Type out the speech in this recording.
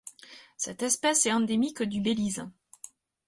Cette espèce est endémique du Belize.